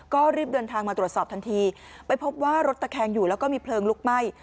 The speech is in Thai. ก็รีบเดินทางมาตรวจสอบทันทีไปพบว่ารถตะแคงอยู่แล้วก็มีเพลิงลุกไหม้